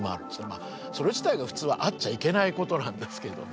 まあそれ自体が普通はあっちゃいけないことなんですけどね。